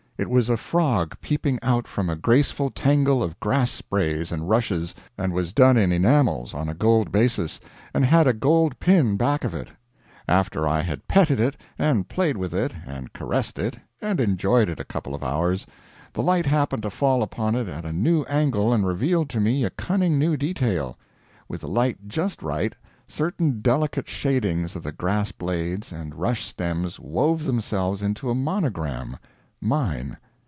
It was a frog peeping out from a graceful tangle of grass sprays and rushes, and was done in enamels on a gold basis, and had a gold pin back of it. After I had petted it, and played with it, and caressed it, and enjoyed it a couple of hours, the light happened to fall upon it at a new angle, and revealed to me a cunning new detail; with the light just right, certain delicate shadings of the grass blades and rush stems wove themselves into a monogram mine!